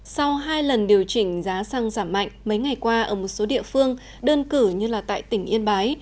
sau hai lần điều chỉnh giá xăng giảm mạnh mấy ngày qua ở một số địa phương đơn cử như là tại tỉnh yên bái